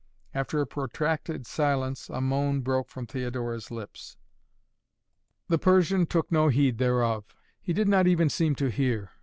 After a protracted silence a moan broke from Theodora's lips. The Persian took no heed thereof. He did not even seem to hear.